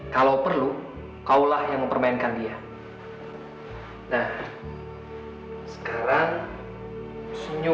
terima kasih kue putuhnya kak sony